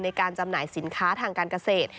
จำหน่ายสินค้าทางการเกษตร